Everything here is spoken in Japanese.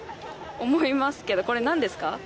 思いますけどこれ何ですか？